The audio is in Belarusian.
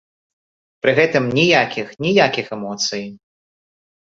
Пры гэтым ніякіх, ніякіх эмоцый!